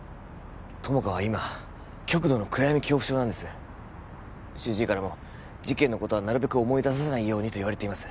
友果は今極度の暗闇恐怖症なんです主治医からも事件のことはなるべく思い出させないようにといわれています